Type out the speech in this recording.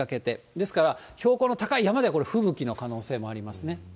ですから、標高の高い山ではこれ、吹雪の可能性もありますね。